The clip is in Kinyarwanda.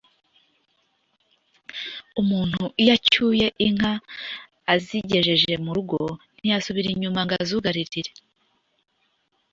Umuntu iyo acyuye inka azigejeje mu rugo ntiyasubira inyuma ngo azugaririre;